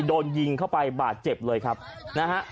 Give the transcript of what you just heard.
โดนยิงเข้าไปบาดเจ็บเลยครับนะฮะ